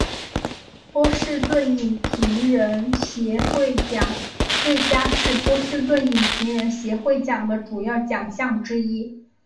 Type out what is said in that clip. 波士顿影评人协会奖最佳是波士顿影评人协会奖的主要奖项之一。